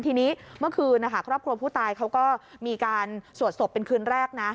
ทีนี้เมื่อคืนครอบครัวผู้ตายเขาก็มีการสวดศพเป็นคืนแรกนะ